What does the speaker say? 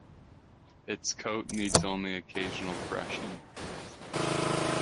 Its coat needs only occasional brushing.